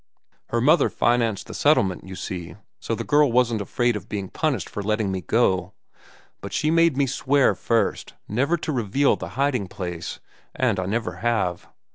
Her mother financed the settlement, you see, so the girl wasn't afraid of being punished for letting me go. But she made me swear, first, never to reveal the hiding place; and I never have.